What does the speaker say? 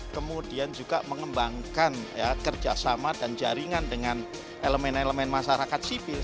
kemudian juga mengembangkan kerjasama dan jaringan dengan elemen elemen masyarakat sipil